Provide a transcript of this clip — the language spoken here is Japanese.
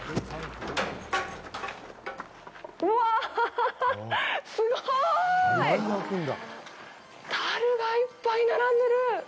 わあ、すごい！たるがいっぱい並んでる。